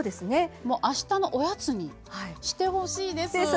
あしたのおやつにしてほしいです。